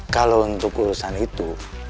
kalau untuk urusan itu